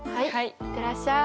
行ってらっしゃい！